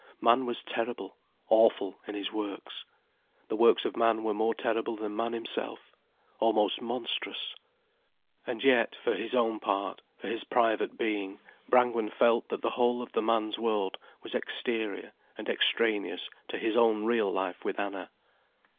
Man was terrible, awful in his works. The works of man were more terrible than man himself, almost monstrous. And yet, for his own part, for his private being, Brangwen felt that the whole of the man's world was exterior and extraneous to his own real life with Anna.